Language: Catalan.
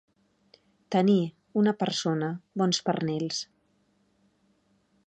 Tenir, una persona, bons pernils.